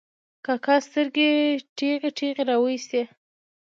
کاکا سترګې ټېغې ټېغې را وایستې.